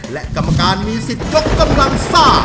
และกรรมการมีสิทธิ์ยกกำลังซ่า